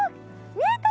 見えた！